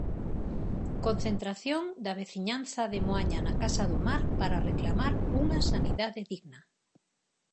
Concentración da veciñanza de Moaña na Casa do Mar para reclamar unha sanidade digna.